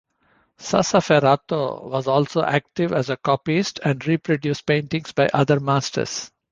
Sassoferrato was also active as a copyist and reproduced paintings by other masters.